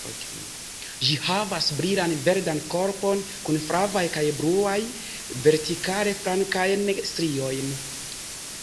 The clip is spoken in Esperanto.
Ĝi havas brilan verdan korpon kun flavaj kaj bluaj, vertikale flankajn striojn.